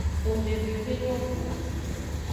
Xomeveve nyo go.